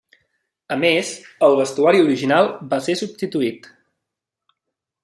A més, el vestuari original va ser substituït.